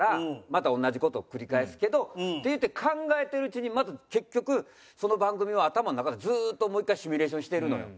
また同じ事を繰り返すけどっていって考えてるうちにまた結局その番組を頭の中でずっともう１回シミュレーションしてるのよ。